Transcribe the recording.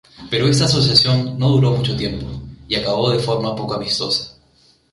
Pero esta asociación no duró mucho tiempo y acabó de forma poco amistosa.